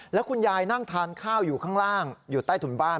แล้วคุณยายนั่งทานข้าวอยู่ข้างล่างอยู่ใต้ถุนบ้าน